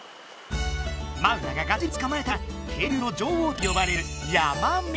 マウナがガッチリつかまえたのは「渓流の女王」とよばれるヤマメ。